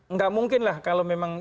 nggak mungkin lah kalau memang